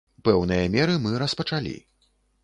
Пэўныя меры мы распачалі.